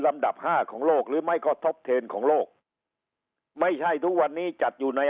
ลำดับ๕ของโลกโลกไม่ค่อยท่อเดนต์ของโลกไม่ให้ทุกวันนี้จัดอยู่ใน